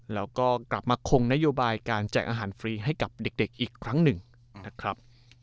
แล้วก็กลับมาคงนโยบายการแจกอาหารฟรีให้กับเด็กอีกครั้งหนึ่งนะครับ